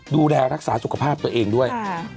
ดูแลรักษาสุขภาพตัวเองด้วย